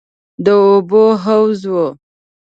د اوبو حوض و.